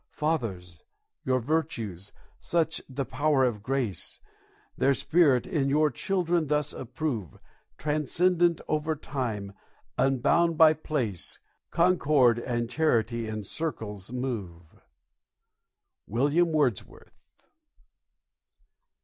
Fathers! your Virtues, such the power of grace, Their spirit, in your Children, thus approve. Transcendent over time, unbound by place, Concord and Charity in circles move. WILLIAM WORDSWORTH.